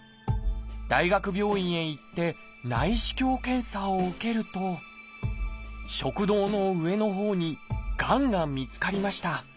大学病院へ行って内視鏡検査を受けると食道の上のほうにがんが見つかりました。